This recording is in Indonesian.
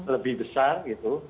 lebih besar gitu